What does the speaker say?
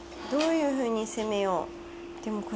どういうふうに攻めよう。